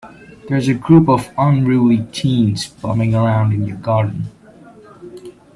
There's a group of unruly teens bumming around in your garden.